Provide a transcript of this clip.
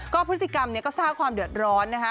พฤติกรรมก็สร้างความเดือดร้อนนะคะ